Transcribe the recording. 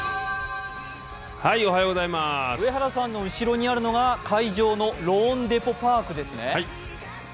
上原さんの後ろにあるのが会場のローンデポ・パークですね。